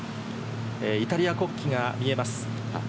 イタリア国旗が見えます。